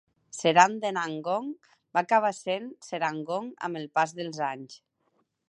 "Serang dengan gong" va acabar sent Serangoon amb el pas dels anys.